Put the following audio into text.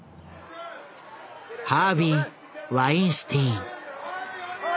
ハービー・ワインスティーン。